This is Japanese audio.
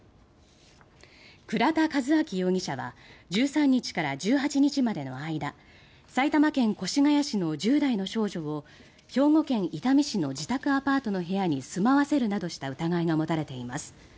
倉田和明容疑者は１３日から１８日までの間埼玉県越谷市の１０代の少女を兵庫県伊丹市の自宅アパートの部屋に住まわせるなどした疑いが持たれています。